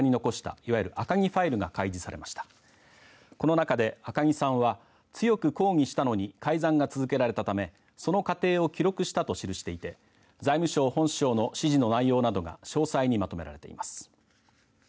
この中で赤木さんは強く抗議したのに改ざんが続けられたためその過程を記録したと記していて財務省本省の指示の内容などが詳細にまとめられています。